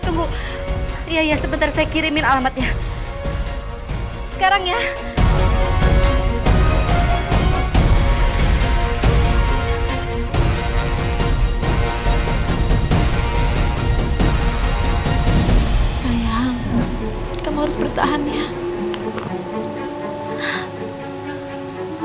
tuhan aku akan jadi suami lady dan mendapatkan semua harta berisanya remy